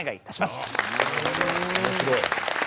面白い。